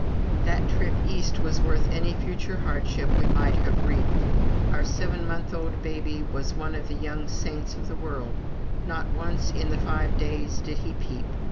That trip East was worth any future hardship we might have reaped. Our seven months old baby was one of the young saints of the world not once in the five days did he peep.